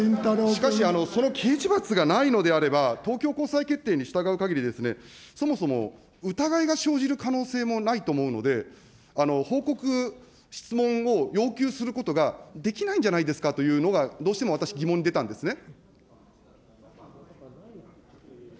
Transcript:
しかし、その刑事罰がないのであれば、東京高裁決定に従うかぎりですね、そもそも疑いが生じる可能性もないと思うので、報告質問を要求することができないんじゃないですかというのが、どうしても私、疑問に出たんですね。